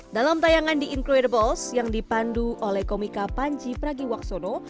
dalam tayangan the incredibles yang dipandu oleh komika panji pragiwaksono